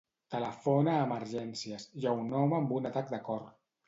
Telefona a Emergències; hi ha un home amb un atac de cor.